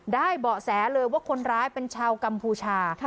เบาะแสเลยว่าคนร้ายเป็นชาวกัมพูชา